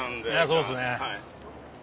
そうっすね。